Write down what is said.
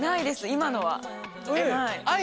今のは。